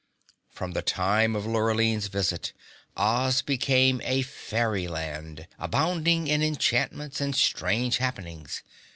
From the time of Lurline's visit, Oz became a fairyland, abounding in enchantments and strange happenings.